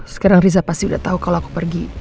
sekarang riza pasti udah tahu kalau aku pergi